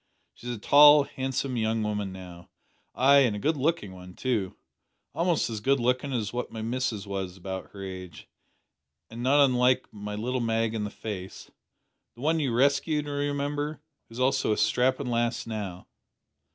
She's a tall, handsome young woman now; ay, and a good looking one too. Almost as good lookin' as what my missus was about her age an' not unlike my little Mag in the face the one you rescued, you remember who is also a strappin' lass now."